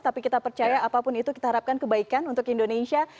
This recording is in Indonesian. tapi kita percaya apapun itu kita harapkan kebaikan untuk indonesia